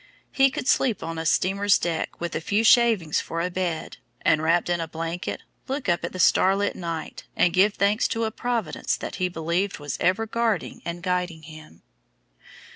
He could sleep on a steamer's deck, with a few shavings for a bed, and, wrapped in a blanket, look up at the starlit sky, and give thanks to a Providence that he believed was ever guarding and guiding him.